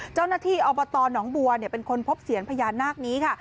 เจ้าหน้าที่อบตหนองบัวเป็นคนพบเสียญพญานาคนี้ค่ะ